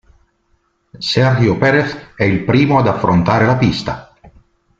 Sergio Pérez è il primo ad affrontare la pista.